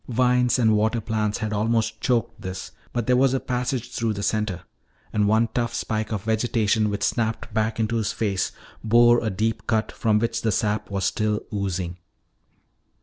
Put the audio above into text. Vines and water plants had almost choked this, but there was a passage through the center. And one tough spike of vegetation which snapped back into his face bore a deep cut from which the sap was still oozing.